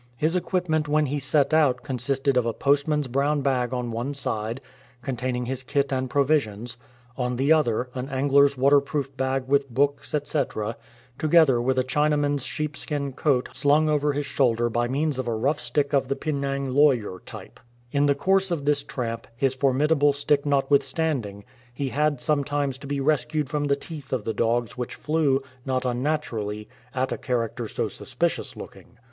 His equipment when he set out consisted of a postman's brown bag on one side, containing his kit and provisions ; on the other an angler''s waterproof bag with books, etc. ; together with a China man's sheepskin coat slung over his shoulder by means of a rough stick of the "Penang lawyer" type. In the course of this tramp, his formidable stick notwithstand ing, he had sometimes to be rescued from the teeth of the dogs which flew, not unnaturally, at a character so sus picious looking.